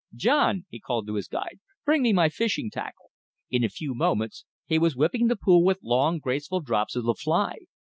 John," he called to his guide, "bring me my fishing tackle." In a few moments he was whipping the pool with long, graceful drops of the fly.